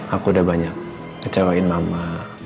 aku udah banyak kecewain nama